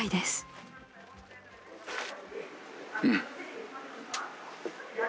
うん。